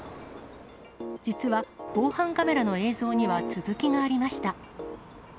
実は防犯カメラの映像には続きがありました。